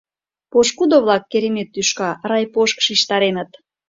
Пошкудо-влак, керемет тӱшка, райпош шижтареныт.